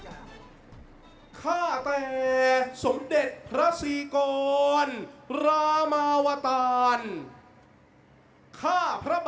หมายเลขหนึ่งครับ